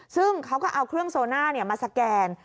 ซึ่งเขาก็เอาเครื่องโซน่ามาสแกน